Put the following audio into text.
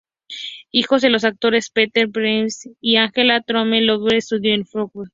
Hijo de los actores Peter Penry-Jones y Angela Thorne, Lauren estudió en Oxford.